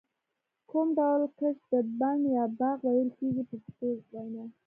کوم ډول کښت ته بڼ یا باغ ویل کېږي په پښتو وینا.